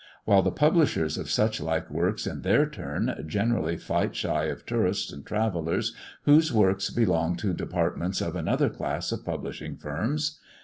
While the publishers of such like works in their turn, generally fight shy of tourists and travellers whose works belong to departments of another class of publishing firms.